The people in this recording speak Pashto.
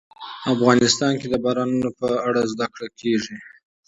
افغانستان کې د بارانونو په اړه زده کړه کېږي.